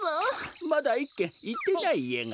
まだ１けんいってないいえが。